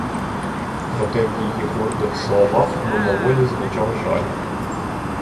Проте в її гордих словах мимоволі звучав жаль.